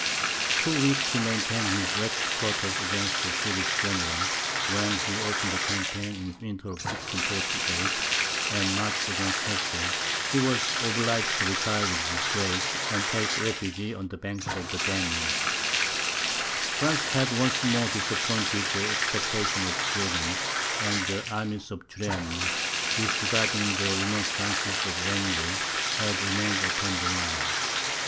Too weak to maintain his wretched quarters against the Swedish general, when he opened the campaign in the winter of 1648, and marched against Hesse, he was obliged to retire with disgrace, and take refuge on the banks of the Danube. France had once more disappointed the expectations of Sweden; and the army of Turenne, disregarding the remonstrances of Wrangel, had remained upon the Rhine.